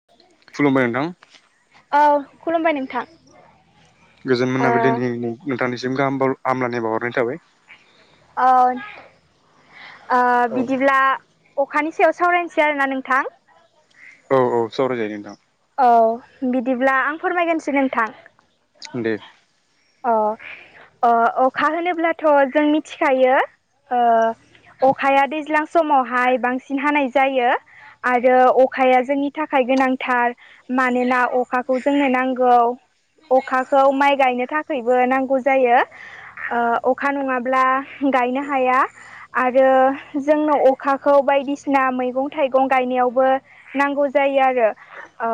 [inaudible] खुलुमबाय नोंथां औ खुलुमबाय नोंथां गोजोन ओ मोनाबिलिनि नो- नोंथांनिसिम गाहाम बाव हामलायनाय बावहरनाय थाबाय ओ ओ औ बिदिब्ला अखानि सायाव सावरायनोसै आरोना नोंथां औ औ सावरायजायो नोंथां औ बिदिब्ला आं फोरमायगोरनोसै नोंथां दे अ अ अखा होनोब्ला थ' जों मिथिखायो ओ अखाया दैज्लां समावहाय बांसिन हानाय जायो आरो अखाया जोंनि थाखाय गोनांथार मानोना अखाखौ जोंनो नांगौ अखाखौ माइ गायनो थाखायबो नांगौ जायो ओ अखा नङाब्ला गायनो हाया आरो जोंनो अखाखौ बायदिसिना मैगं-थाइगं गायनायावबो नांगौ जायो आरो ओ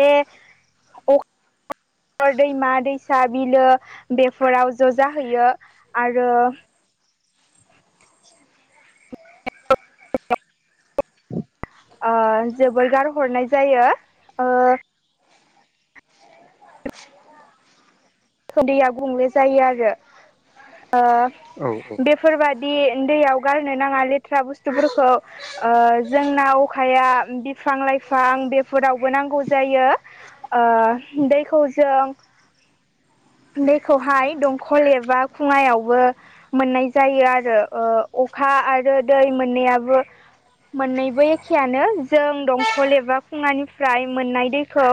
बे फोर दैमा दैसा बिलो बेफोराव ज' जाहैयो आरो ओ जोबोर गारहरनाय जायो ओ थ दैया गुंले जायो आरो ओ औ बेफोर बादि दैयाव गारनो नाङा लेथ्रा बुस्थुफोरखौ ओ जोंना अखाया बिफां लाइफां बेफोरावबो नांगौ जायो ओ दैखौ जों दैखौहाय दंखल एबा खुङायावबो मोननाय जायो आरो ओ अखा आरो दै मोननैयाबो मोननैबो एखेयानो जों दंखल एबा खुङानिफ्राय मोननाय दैखौ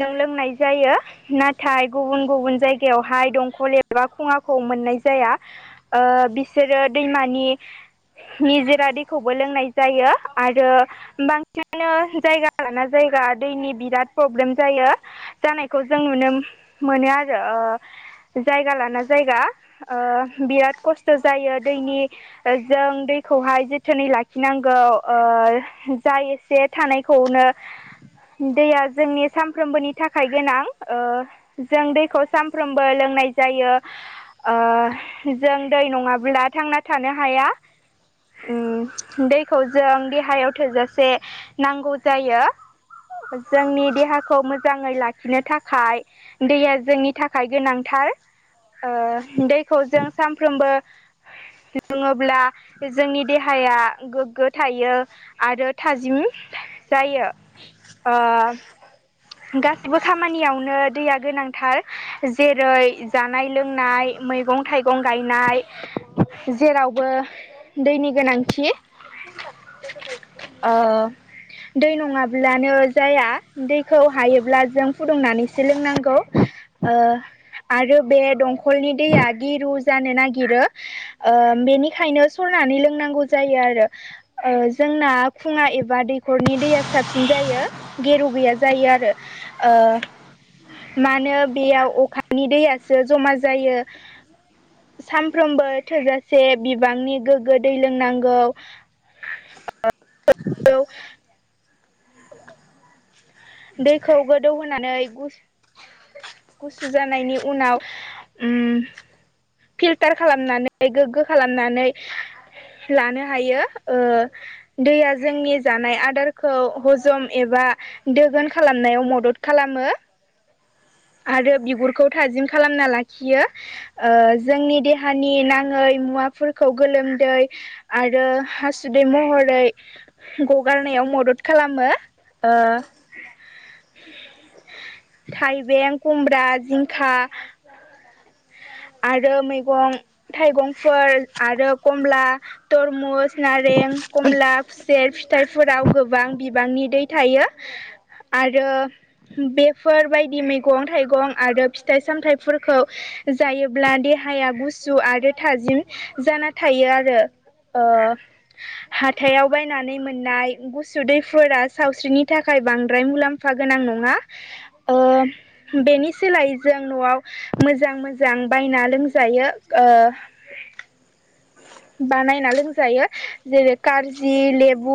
जों लोंनाय जायो नाथाय गुबुन गुबुन जायगायावहाय दंखल एबा खुङाखौ मोननाय जाया बिसोरो दैमानि निजोरा दैखौबो लोंनाय जायो आरो बांसिनानो जायगा लाना जायगा दैनि बिराद प्रब्लेम जायो जानायखौ जों नुनो मोनो आरो जायगा लाना जायगा बिराद खस्थ' जायो दैनि जों दैखौहाय जोथोनै लाखिनांगौ ओ जा एसे थानायखौनो दैया जोंनि सानफ्रोमबोनि थाखाय गोनां ओ जों दै खौ सानफ्रोमबो लोंनाय जायो ओ जों दै नङाब्ला थांना थानो हाया ओम दैखौ जों देहायाव थोजासे नांगौ जायो जोंनि देहाखौ मोजाङै लाखिनो थाखाय दैया जोंनि थाखाय गोनांथार ओ दैखौ जों सामफ्रोमबो लोङोब्ला जोंनि देहाया गोग्गो थायो आरो थाजिम जायो ओ गासिबो खामानियावनो दैया गोनांथार जेरै जानाय लोंनाय मैगं थाइगं गायनाय जेरावबो दैनि गोनांथि ओ दै नङाब्लानो जाया दैखौ हायोब्ला जों फुदुंनानैसो लोंनांगौ आरो बे दंखलनि दैया गिरु जानो नागिरो बेनिखायनो सरनानै लोंनांगौ जायो आरो जोंना खुङा एबा दैखरनि दैया साबसिन जायो गेरु गैया जायो आरो मानो बेयाव अखानि दैयासो जमा जायो सानफ्रोमबो थोजासे बिबांनि गोग्गो दै लोंनांगौ [inaudible] औ दैखौ गोदौ होनानै गुसु गुसु जानायनि उनाव ओम फिल्टार खालामनानै गोग्गो खालामनानै लानो हायो ओ दैया जोंनि जानाय आदारखौ हजम एबा दोगोन खालामनायाव मदद खालामो आरो बिगुरखौ थाजिम खालामना लाखियो ओ जोंनि देहानि नाङै मुवाफोरखौ गोलोमदै आरो हासुदै महरै गगारनायाव मदद खालामो ओ बें कुमब्रा जिंखा आरो मैगं थाइगंफोर आरो कमला तरमुस नारें कमला खुसेर फिथाइफोराव गोबां बिबांनि दै थायो आरो बेफोरबायदि मैगं थाइगं आरो फिथाइ सामथाइफोरखौ जायोब्ला देहाया गुसु आरो थाजिम जाना थायो आरो अ हाथायाव बायनानै मोननाय गुसु दैफोरा सावस्रिनि थाखाय बांद्राय मुलाम्फा फा गोनां नङा बेनि सोलायै जों न'आव मोजां मोजां जां बायना लोंजायो बानायना लोंजायो जेरै कार्जि लेबु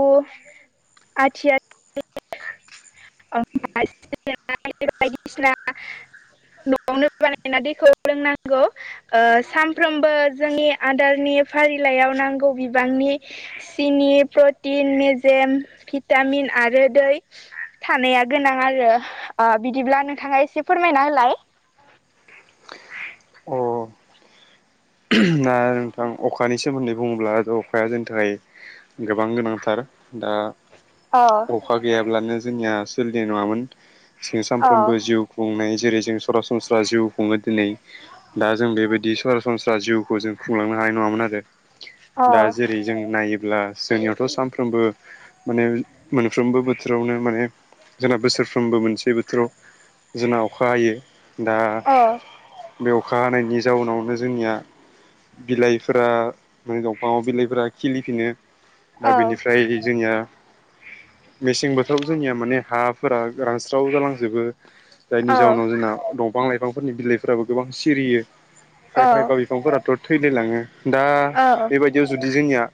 आथिया [unintelligible] बायदिसिना न'आवनो बानायना दैखौ लों नांगौ सानफ्रोमबो जोंनि आदारनि फारिलाइयाव नांगौ बिबांनि सिनि प्रटिन मेजेम भिटामिन आरो दै थानाया गोनां आरो बिदिब्ला नोंथाङा एसे फोरमायना होलाय [unintelligible] दा नोंथां अखानि सोमोन्दै बुङोब्ला थ' अखाया जोंनि थाखाय गोबां गोनांथार दा अ अखा गैयाब्लानो जोंनिया सोलिनाय नङामोन जों औ सानफ्रोमबो जिउ खुंनाय जेरै जों सरासनस्रा जिउ खुङो दिनै दा जों बेबायदि सरासन सनस्रा जिउखौ जों खुंलांनो हानाय नङामोन आरो औ दा जेरै जों नायोब्ला जोंनियावथ' सानफ्रोमबो माने मोनफ्रोमबो बोथोरावनो माने जोंना बोसोरफ्रोमबो मोनसे बोथोराव जोंना अखा हायो दा औ बे अखा हानायनि जाउनावनो जों जोंनिया बिलाइफोरा दंफाङाव बिलाइफोरा खिलिफिनो दा औ बेनिफ्राय जोंनिया मेसें बोथोराव जोंनिया माने हाफोरा रानस्राव जालांजोबो जायनि औ जााहोनाव जोंना दंफां लाइफांफोरनि बिलाइफोराबो गोबां सिरियो औ खायफा खायफा बिफांफोराथ' थैलायलाङो दा औ बेबायदि बेयाव जुदि जोंनिया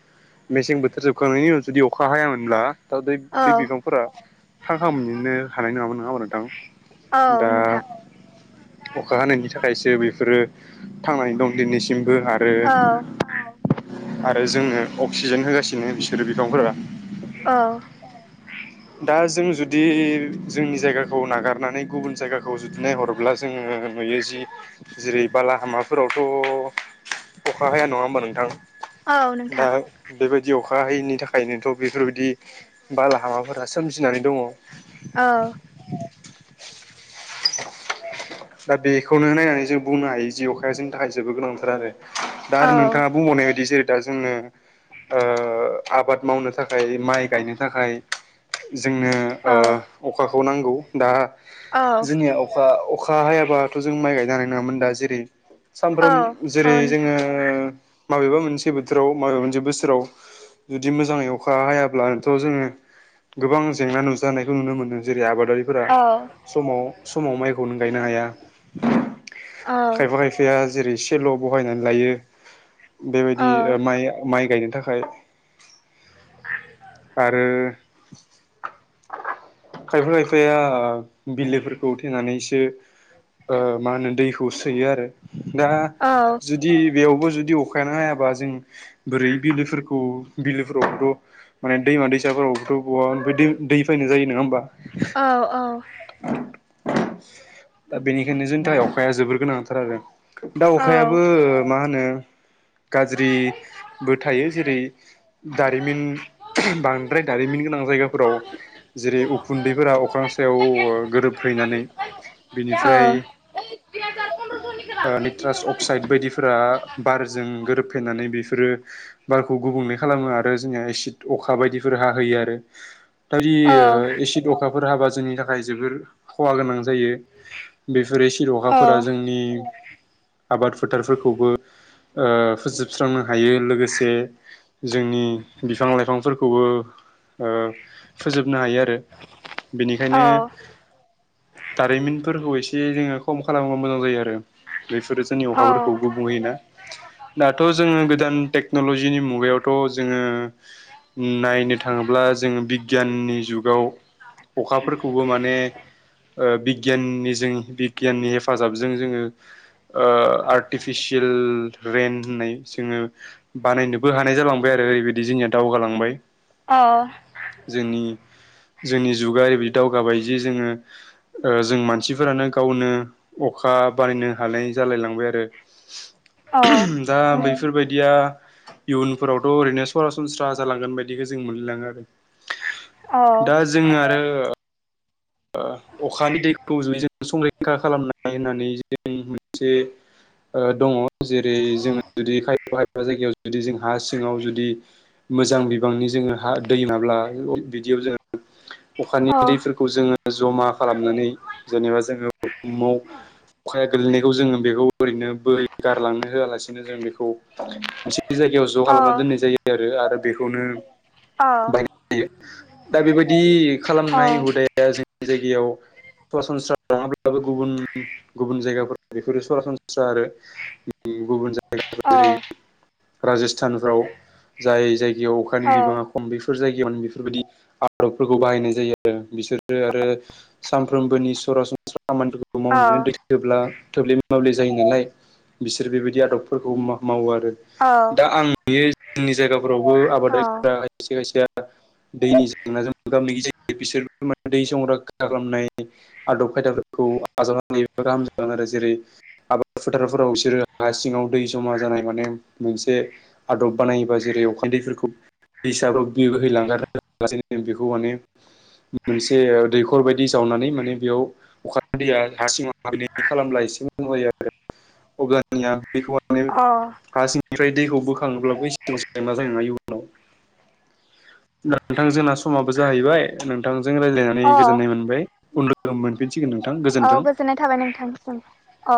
मेसें बोथोर जोबखांनायनि उनाव जुदि अखा हायामोनब्ला दा औ बे बिफांफोरा थांखां फिननोनो हानाय नङा होनबा नोंथां दा औ नोंथां अखा हानायनि थाखायसो बेफोरो थांनानै दं दिनैसिमबो आ रो औ आरो जोंनो अक्सिजेन होगासिनो बिसोरो बिफांफोरा औ दा जों जुदि जोंनि जायगाखौ नागारनानै गुबुन जायगाखौ जुदि नायहर ब्ला जोङो नुयो जि जेरै बालाहामाफोरावथ' अखा हाया नङा होमबा नोंथां औ दा नोंथां बेबायदि अखा हायैनि थाखायनोथ' बेफोरबायदि बाला हामाफोरा सोमजिनानै दङ औ दा बेखौनो नायनानै जों बुंनो हायो जि अखाजोंनि थाखाय जोबोद गोनांथार आरो दा औ आरो नोंथाङा बुंबावनाय बायदि जेरै दा जोङो आबाद मावनो थाखाय माइ गायनो थाखाय जोंनो औ अखाखौ नांगौ दा औ जोंनिया अखा अखा खा हायाबाथ' जों माइ गायनो हानाय नोङामोन दा जेरै औ सामफ्राम औ जेरै नोंथां जोङो माबेबा मोनसे बोथोराव माबा मोनसे बोसोराव जुदि मोजाङै अखा हायाब्लानोथ' जोङो गोबां जेंना नुजानायखौ नुनो मोनो जेरै आबादारि फोरा औ औ समाव समाव मायखौनो गायनो हाया खायफा औ खायफाया जेरै एसेल' बहायनानै लायो बेबायदि माइ माइ गायनो थाखाय आरो खायफा खायफाया ओ बिलोफोरखौ थेनानैसो ओ मा होनो दैखौ सोयो आरो दा जु दि बेयावबो जुदि अखायानो हायाबा जों बोरै बिलोफोरखौ बिलोफोरावबोथ' माने दैमा दैसाफोरावबोथ' बवानिफ्राय दै दै फायनो जायो नोङा होमबा? औ औ दा बेनिखायनो जोंनि थाखाय अखाया जोबोर गोनांथार आरो दा औ अखायाबो ओ मा होनो गाज्रिबो थायो जेरै दारिमिन बांद्राय दारिमिन गोनां जायगाफोराव जेरै उखुन्दैफोरा अख्रां सायाव ओ गोरोबफैनानै औ बिनिफ्राय [inaudible] ओ नेट्रास अक्साइद बायदिफोरा मालाय बारजों गोरोबफ्लेनानै बेफोरो बारखौ गुबुंले खालामो आरो जोंनिया एसिद अखा बायदिफोर हाहोयो आरो दा बि ओ औ एसिड अखाफोर हाबा जोंनि थाखाय जोबोर खहा गोनां जायो। बेफोर एसिड अखाफोरा औ जोंनि आबाद फोथारफोरखौबो ओ फोजोबस्रांनो हायो लोगोसे जोंनि बिफां लाइफांफोरखौबो ओ फोजोबनो हायो आरो। अ बेनिखायनो दारिमिनफोरखौ एसे जोङो खम खालामोबा मोजां जायो आरो बेफोरो जोंनि अखाफोरखौ गुबुं होयोना दाथ' जोङो गोदान टेक्न'लजिनि मुगायावथ' जोङो नायनो थाङोब्ला जोङो बिगियाननि जुगाव अखाफोरखौबो माने ओ बिगियाननि जों बिगियाननि हेफाजाबजों जोङो ओ आर्टिफिसियेल रेन होननाय जोङो बानायनोबो हानाय जालांबाय आरो ओरैबायदि जोंनिया दावगालांबाय अ जोंनि जोंनि जुगा ओरैबायदि दावगाबाय जि जोङो ओ जों मानसिफोरानो गावनो अखा बानायनो हानाय जालाय लांबाय आरो दा बैफोरबायदिया इयुनफोरावथ' ओरैनो सरासनस्रा जालांगोन बायदिखौ जों मोनलाङो आरो दा जोङो आरो ओ अखानि दैखौ जयै जों संरैखा खालामनाय होननानै जों मोनसे [unintelligible] ओ दङ जेरै जोङो जुदि खायफा खायफा जायगायाव जुदि जों हा सिङाव जुदि मोजां बिबांनि जोङो हा दै नाब्ला बिदियाव जोङो अखानि दैफोरखौ जोङो [unintelligible] जमा खालामनानै जेनेबा जोङो [unintelligible] माव अखाया गोलैनायखौ जोङो बेखौ ओरैनो बोहैगारलांनो होआलासिनो जों बेखौ मोनसे जायगायाव ज' खालामना दोननाय जायो आरो आरो बेखौनो बायदि दा बेबायदि खालामनाय हुदा या जोंनि जायगायाव सरासनस्रा नङाब्लाबो गुबुन गुबुन जायगाफोराव बेफोरो सरासनस्रा आरो [unintelligible] गुबुन जायगाफोरा जेरै राजस्थानफ्राव जाय जायगायाव अखानि बिबाङा खम बेफोर जायगायावनो बेफोरबायदि आदबफोरखौ बाहायनाय जायो आरो बिसोरो आरो [unintelligible] सानफ्रोमबोनि सरासनस्रा खामानिफोरखौ मावनानै थोब्ला थोब्ले माब्ले जायो नालाय बिसोर बेबायदि आदबफोरखौ मा मावो आरो। दा आं नुयो जोंनि जायगाफोरावबो आबादारिफोरा खायसे खायसेया [unintelligible] दैनि जेंनाजों मोगा मोगि जायो बिसोर माने दै संरैखा खालामनाय [unintelligible] आदब खायदाफोरखौ आजावनानै बा गाहाम जागोन आरो जेरै आबाद फोथारफोराव इसोरो हा सिङाव दै जमा जानाय माने मोनसे आदब बानायोबा जेरै अखानि दैफोरखौ दैसाबो दै बोहैलांगारनो [unintelligible] बेखौ माने मोनसे दैखर बायदि जावनानै माने बेयाव अखा दैैया हारसिङाव हाबैनायनि खालामब्ला एसे [unintelligible] आरो अब्लानिया बेखौ माने हासिं निफ्राय दैखौ बोखाङोब्लाबो एसेबां जेंना जानाय नङा इयुनाव दा नोंथां जोंना समाबो जाहैबाय नोंथांजों रायलायनानै गोजोननाय मोनबाय उनफोराव लोगो मोन फिनसिगोन नोंथां गोजोनथों गोजोननाय थाबाय नोंथांनिसिम अ